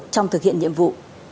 trong thực hiện nhiệm vụ